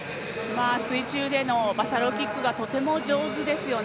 水中でのバサロキックとても上手ですね。